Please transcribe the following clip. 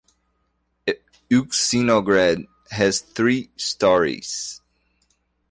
Euxinograd has three storeys.